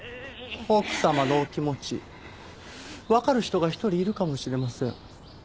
奥様のお気持ちわかる人が１人いるかもしれません。